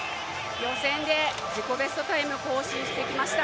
予選で、自己ベストタイム更新していきました。